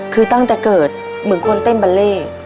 คือตั้งแต่เกิดเหมือนคนเต้นบัลเล่